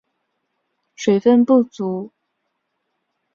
水分的不足使乔木难以立足。